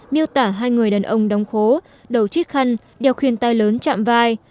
miêu tả hai người đàn ông đóng khố đầu chiếc khăn đeo khuyền tai lớn chạm vai